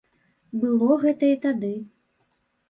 Было гэта і тады.